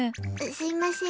すいません。